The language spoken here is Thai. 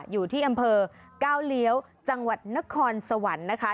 อยู่ที่อำเภอก้าวเลี้ยวจังหวัดนครสวรรค์นะคะ